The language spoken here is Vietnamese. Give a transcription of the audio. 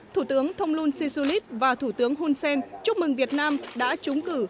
thủ tướng thông luân xê xu lít và thủ tướng hun sen chúc mừng việt nam đã trúng cử